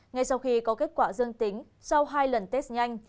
ngay sau khi có kết quả dương tính sau hai lần test nhanh